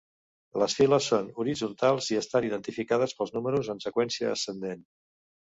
Les files són horitzontals i estan identificades pels números en seqüència ascendent.